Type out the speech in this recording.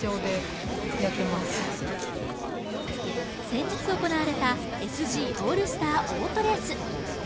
先日行われたＳＧオールスターオートレース。